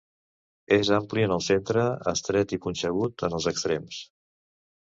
És ampli en el centre, estret i punxegut en els extrems.